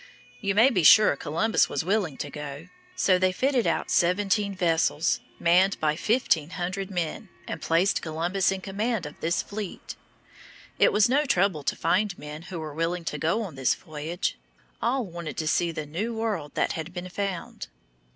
You may be sure Columbus was willing to go. So they fitted out seventeen vessels, manned by fifteen hundred men, and placed Columbus in command of this fleet. It was no trouble to find men who were willing to go on this voyage. All wanted to see the new world that had been found.